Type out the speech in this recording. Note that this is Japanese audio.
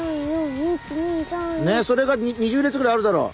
ねっそれが２０列ぐらいあるだろう。